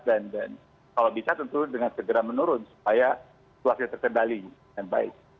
dan kalau bisa tentu dengan segera menurun supaya situasi terkendali dengan baik